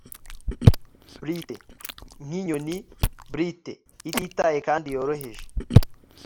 Blithe nkinyoni blithe ititaye kandi yoroheje